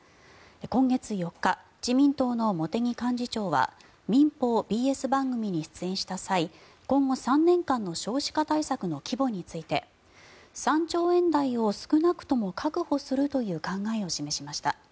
今月４日、自民党の茂木幹事長は民放ＢＳ番組に出演した際今後３年間の少子化対策の規模について３兆円台を少なくとも確保するという考えを示しました。